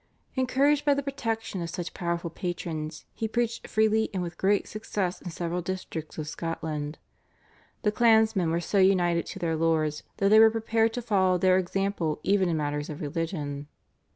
Encouraged by the protection of such powerful patrons he preached freely and with great success in several districts of Scotland. The clansmen were so united to their lords that they were prepared to follow their example even in matters of religion.